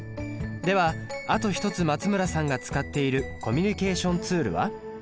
あと一つ松村さんが使っているコミュニケーションツールは？